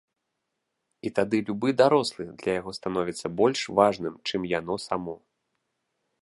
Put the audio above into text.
І тады любы дарослы для яго становіцца больш важным, чым яно само.